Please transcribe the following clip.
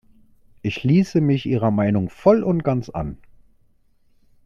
Ich schließe mich Ihrer Meinung voll und ganz an.